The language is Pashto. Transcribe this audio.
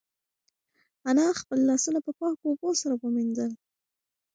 انا خپل لاسونه په پاکو اوبو سره ومینځل.